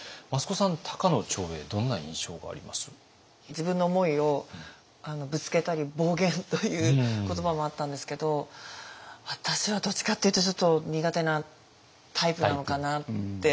自分の思いをぶつけたり暴言という言葉もあったんですけど私はどっちかっていうとちょっと苦手なタイプなのかなって思いました。